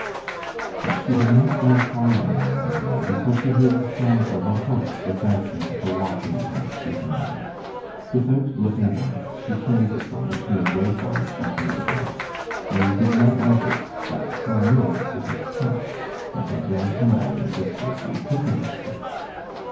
But she had not gone far along the lane before she heard the sound of a horse advancing at a walking pace behind her. Without looking back, she turned aside to make way for it between the ruts, and did not notice that for a moment it had stopped, and had then come on with a slightly quickened pace.